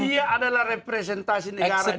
dia adalah representasi negara